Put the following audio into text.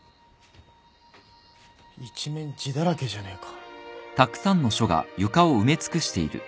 一面字だらけじゃねえか。